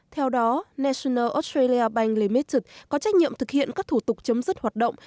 theo đó national australia bank limited có trách nhiệm thực hiện các thủ tục chấm dứt hoạt động